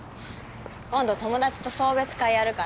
今度友達と送別会やるから